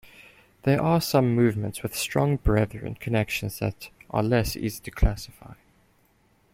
There are some movements with strong Brethren connections that are less easy to classify.